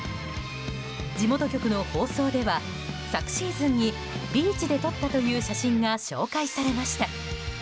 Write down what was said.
地元局の放送では、昨シーズンにビーチで撮ったという写真が紹介されました。